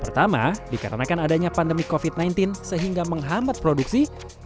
pertama dikarenakan adanya pandemi covid sembilan belas sehingga menghambat produksi